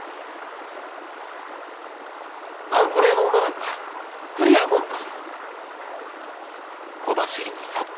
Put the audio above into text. あんころ屋の女なんか釣り合うもんか！